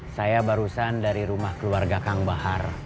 saya barusan dari rumah keluarga kang bahar